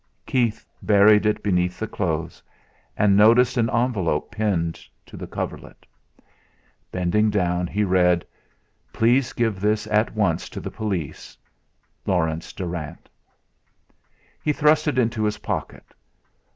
Keith buried it beneath the clothes and noticed an envelope pinned to the coverlet; bending down, he read: "Please give this at once to the police. LAURENCE DARRANT." He thrust it into his pocket.